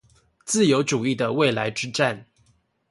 自由主義的未來之戰